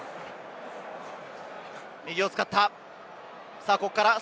右を使った。